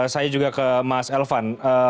saya juga ke mas elvan